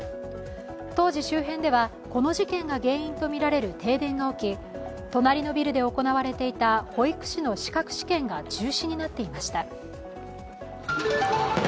当時、周辺ではこの事件が原因とみられる停電が起き隣のビルで行われていた保育士の資格試験が中止になっていました。